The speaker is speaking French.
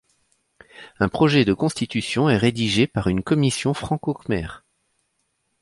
Un projet de constitution est rédigé par une commission franco-khmère.